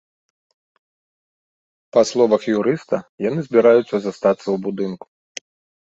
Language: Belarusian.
Па словах юрыста, яны збіраюцца застацца ў будынку.